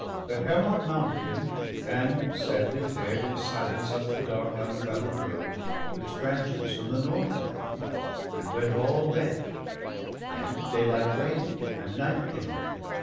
But Hermod mounted him, and sadly fared In silence up the dark untravell'd road Which branches from the north of Heaven, and went All day; and daylight waned, and night came on.